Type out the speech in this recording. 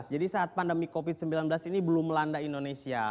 jadi saat pandemi covid sembilan belas ini belum melanda indonesia